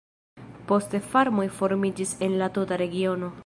Poste farmoj formiĝis en la tuta regiono.